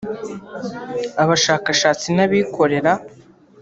abashakashatsi n’abikorera